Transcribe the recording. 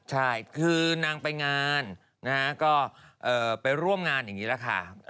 ใช่คือนางไปงานนะฮะก็ไปร่วมงานอย่างนี้แหละค่ะ